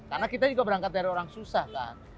karena kita juga berangkat dari orang susah kan